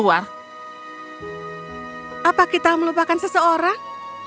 apa kita melupakan seseorang